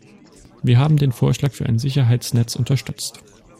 Wir haben den Vorschlag für ein Sicherheitsnetz unterstützt.